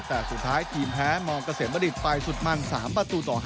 แต่สุดท้ายทีมแพ้มองเกษมบัณฑิตไปสุดมัน๓ประตูต่อ๕